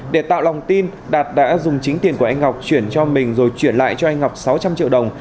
để tạo lòng tin đạt đã dùng chính tiền của anh ngọc chuyển cho mình rồi chuyển lại cho anh ngọc sáu trăm linh triệu đồng